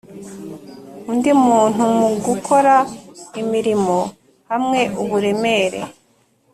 undi muntumu gukora imirimo hamwe uburemere